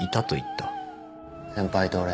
先輩と俺。